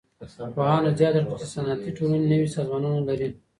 پوهانو زياته کړه چي صنعتي ټولني نوي سازمانونه لري.